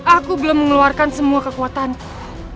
aku belum mengeluarkan semua kekuatanku